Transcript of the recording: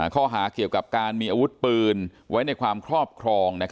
ข้อหาเกี่ยวกับการมีอาวุธปืนไว้ในความครอบครอง